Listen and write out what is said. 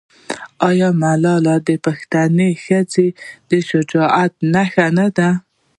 آیا ملالۍ د پښتنې ښځې د شجاعت نښه نه ده؟